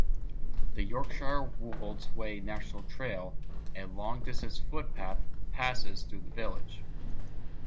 The Yorkshire Wolds Way National Trail, a long distance footpath, passes through the village.